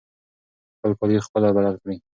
خپل کالي خپله بدل کړئ.